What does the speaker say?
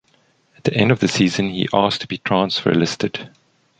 At the end of the season, he asked to be transfer listed.